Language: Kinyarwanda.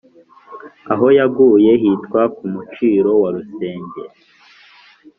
aho yaguye hitwa ku muciro wa rusenge